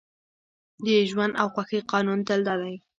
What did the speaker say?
د ژوند او خوښۍ قانون تل دا دی